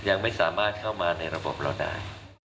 ยังไม่สามารถเข้ามาในระบบเราได้